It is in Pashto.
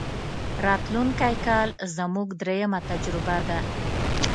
راتلونکی کال زموږ درېمه تجربه ده.